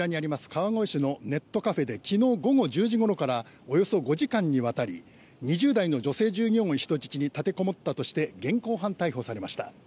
川越市のネットカフェで昨日午後１０時ごろからおよそ５時間にわたり２０代の女性従業員を人質に立てこもったとして現行犯逮捕されました。